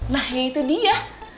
nah ya itu dia